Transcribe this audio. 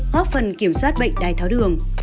hóp phần kiểm soát bệnh đai tháo đường